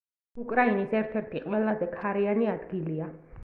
უკრაინის ერთ-ერთი ყველაზე ქარიანი ადგილია.